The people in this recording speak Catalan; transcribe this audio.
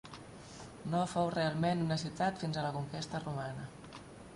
No fou realment una ciutat fins a la conquesta romana.